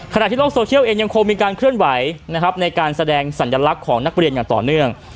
ที่โลกโซเชียลเองยังคงมีการเคลื่อนไหวนะครับในการแสดงสัญลักษณ์ของนักเรียนอย่างต่อเนื่อง